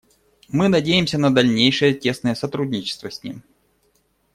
Мы надеемся на дальнейшее тесное сотрудничество с ним.